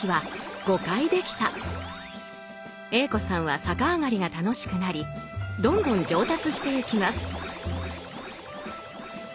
Ａ子さんは逆上がりが楽しくなりどんどん上達してゆきます。